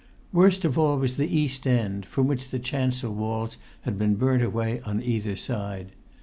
Worst of all was the east end, from which the chancel walls had been burnt away on either side.